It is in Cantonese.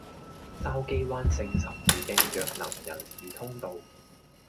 筲箕灣聖十字徑弱能人士通道